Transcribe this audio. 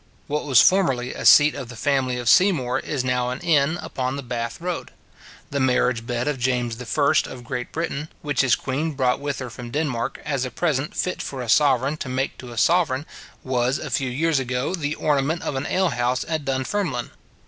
What was formerly a seat of the family of Seymour, is now an inn upon the Bath road. The marriage bed of James I. of Great Britain, which his queen brought with her from Denmark, as a present fit for a sovereign to make to a sovereign, was, a few years ago, the ornament of an alehouse at Dunfermline.